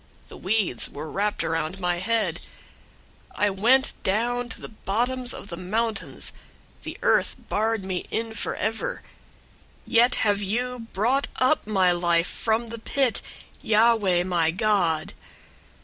The weeds were wrapped around my head. 002:006 I went down to the bottoms of the mountains. The earth barred me in forever: yet have you brought up my life from the pit, Yahweh my God.